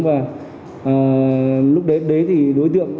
và lúc đấy thì đối tượng